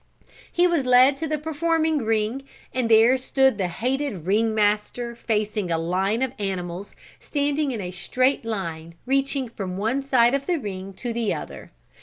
He was led to the performing ring and there stood the hated ring master facing a line of animals standing in a straight line reaching from one side of the ring to the other.